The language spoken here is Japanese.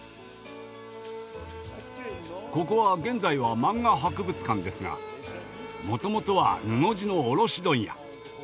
ここは現在は漫画博物館ですがもともとは布地の卸問屋。